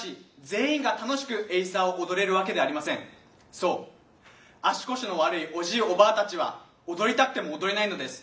そう足腰の悪いおじいおばあたちは踊りたくても踊れないのです。